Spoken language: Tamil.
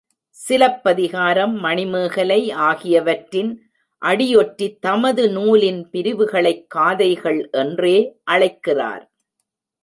சிலப்பதிகாரம், மணிமேகலை ஆகியவற்றின் அடியொற்றித் தமது நூலின் பிரிவுகளைக் காதைகள் என்றே அழைக்கிறார்.